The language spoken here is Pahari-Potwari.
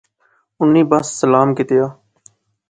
انی بس سلام کیتیا